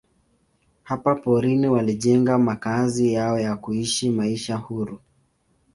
Hapa porini walijenga makazi yao na kuishi maisha huru.